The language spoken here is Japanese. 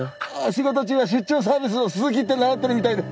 仕事中は出張サービスの鈴木って名乗ってるみたいで。